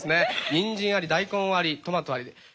にんじんあり大根ありトマトありで。